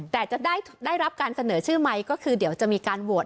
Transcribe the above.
แต่จะได้รับการเสนอชื่อไหมก็คือเดี๋ยวจะมีการโหวต